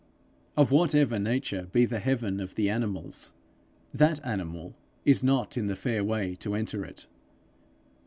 Of whatever nature be the heaven of the animals, that animal is not in the fair way to enter it.